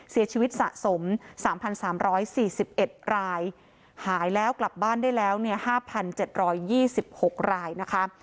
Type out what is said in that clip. เสียชีวิตสะสม๓๓๔๑รายหายแล้วกลับบ้านได้แล้ว๕๗๒๖รายนะคะ